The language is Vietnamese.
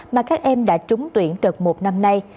mà các em đã trúng tuyển đợt một năm nay